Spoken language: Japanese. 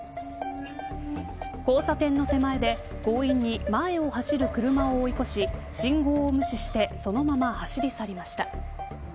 交差点の手前で強引に前を走る車を追い越し信号を無視してそのまま走り去りました。